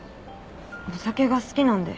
お酒が好きなんで。